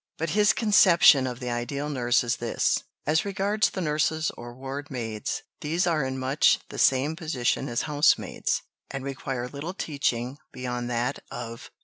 But his conception of the ideal nurse is this: "As regards the nurses or ward maids, these are in much the same position as housemaids, and require little teaching beyond that of poultice making."